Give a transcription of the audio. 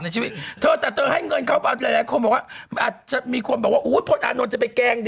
มีบทไหมแม่มีบทได้ยัง